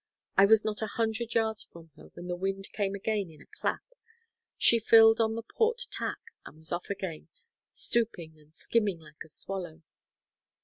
I was not a hundred yards from her when the wind came again in a clap; she filled on the port tack, and was off again, stooping and skimming like a swallow.